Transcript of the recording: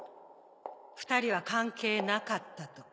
２人は関係なかったと。